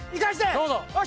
どうぞ。